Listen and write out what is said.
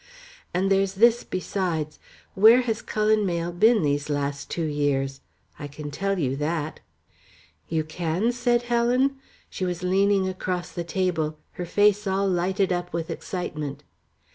And there's this besides. Where has Cullen Mayle been these last two years? I can tell you that." "You can?" said Helen. She was leaning across the table, her face all lighted up with excitement.